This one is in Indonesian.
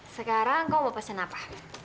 sekarang kau mau pesen apa